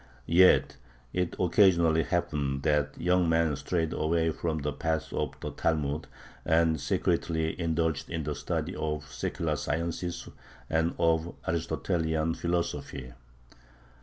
Yet it occasionally happened that young men strayed away from the path of the Talmud, and secretly indulged in the study of secular sciences and of Aristotelian philosophy.